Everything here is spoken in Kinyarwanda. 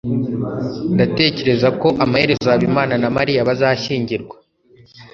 ndatekereza ko amaherezo habimana na mariya bazashyingirwa